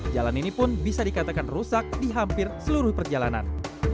jalan ini pun bisa dikatakan rusak di hampir seluruh perjalanan